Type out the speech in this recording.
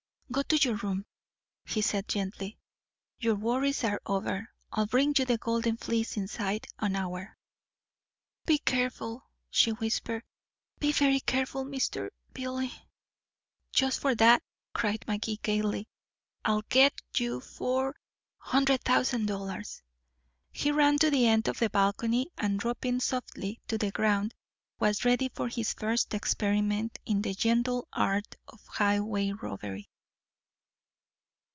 "Go to your room," he said gently. "Your worries are over. I'll bring you the golden fleece inside an hour." "Be careful," she whispered, "Be very careful, Mr. Billy." "Just for that," cried Magee gaily, "I'll get you four hundred thousand dollars." He ran to the end of the balcony, and dropping softly to the ground, was ready for his first experiment in the gentle art of highway robbery.